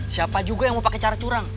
siapa juga yang mau pakai cara curang